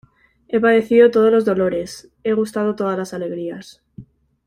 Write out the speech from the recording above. he padecido todos los dolores, he gustado todas las alegrías: